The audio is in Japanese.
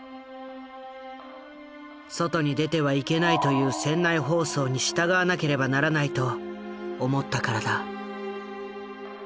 外に出てはいけないという船内放送に従わなければならないと思ったからだ。